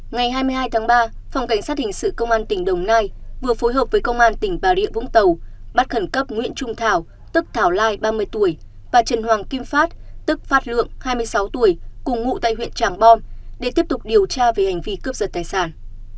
ngày hai mươi hai tháng ba phòng cảnh sát hình sự công an tỉnh đồng nai vừa phối hợp với công an tỉnh bà rịa vũng tàu bắt khẩn cấp nguyễn trung thảo tức thảo lai ba mươi tuổi và trần hoàng kim phát tức phát lượng hai mươi sáu tuổi cùng ngụ tại huyện trảng bom để tiếp tục điều tra về hành vi cướp giật tài sản